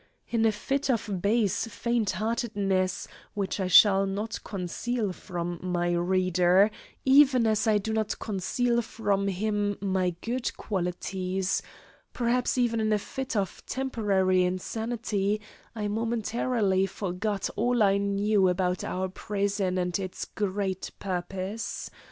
In a fit of base faint heartedness, which I shall not conceal from my reader, even as I do not conceal from him my good qualities; perhaps even in a fit of temporary insanity I momentarily forgot all I knew about our prison and its great purpose.